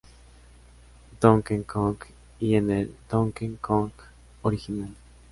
Donkey Kong" y en el "Donkey Kong" original.